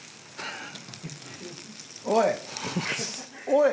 おい！